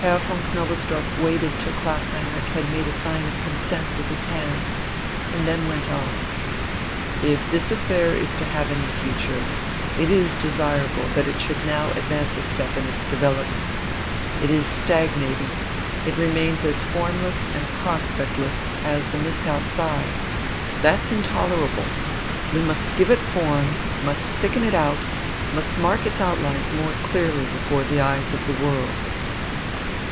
Herr von Knobelsdorff waited till Klaus Heinrich had made a sign of consent with his hand, and then went on: "If this affair is to have any future, it is desirable that it should now advance a step in its development. It is stagnating, it remains as formless and prospectless as the mist outside. That's intolerable. We must give it form, must thicken it out, must mark its outlines more clearly before the eyes of the world."